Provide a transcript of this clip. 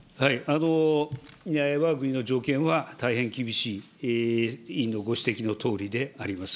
わが国の条件は大変厳しい、委員のご指摘のとおりであります。